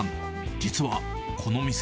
実はこの店。